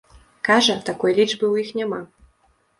Кажа, такой лічбы ў іх няма.